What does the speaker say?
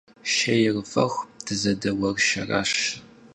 Шейр вэху, дызэдэуэршэращ.